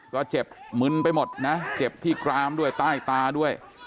ก็เจ็บมึนไปหมดนะเจ็บที่กรามด้วยใต้ตาด้วย